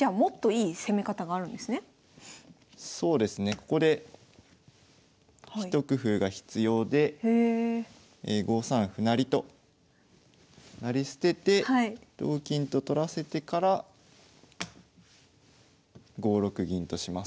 ここで一工夫が必要で５三歩成と成り捨てて同金と取らせてから５六銀とします。